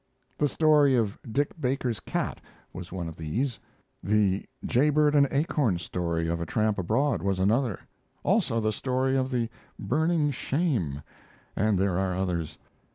The story of Dick Baker's cat was one of these; the jaybird and Acorn story of 'A Tramp Abroad' was another; also the story of the "Burning Shame," and there are others.